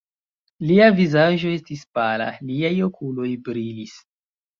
Lia vizaĝo estis pala, liaj okuloj brilis.